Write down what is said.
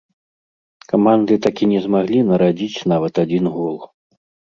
Каманды так і не змаглі нарадзіць нават адзін гол.